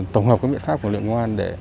tổng hợp các biện pháp của lượng ngoan